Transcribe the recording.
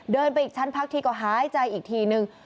เดินไปอีกชั้นพักทีก็หายใจอีกทีนึง